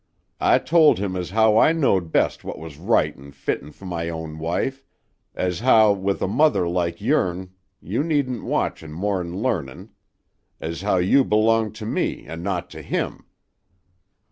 I told him as how I knowed best what was right an' fittin' fer my own wife; as how, with a mother like your'n you needed watchin' more'n learnin'; as how you belonged to me an' not to him.